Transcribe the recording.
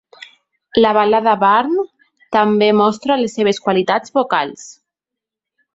La balada "Burn" també mostra la seves qualitats vocals.